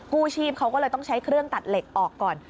กู้ชีพเขาก็เลยต้องใช้เครื่องตัดเหล็กออกก่อน